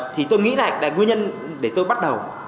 thì tôi nghĩ lại là nguyên nhân để tôi bắt đầu